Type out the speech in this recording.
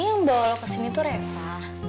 jadi yang bawa lo kesini tuh reva